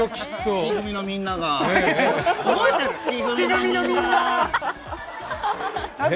月組のみんなー。